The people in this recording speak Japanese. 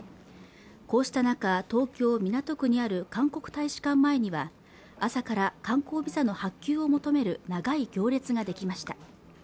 こうした中東京港区にある韓国大使館前には朝から観光ビザの発給を求める長い行列ができました